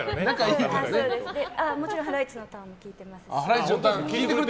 もちろん「ハライチのターン！」も聴いていますし。